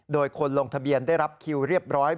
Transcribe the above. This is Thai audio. โดยคนลงทะเบียนได้รับคิวเรียบร้อย